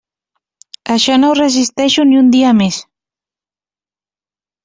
Això no ho resisteixo ni un dia més.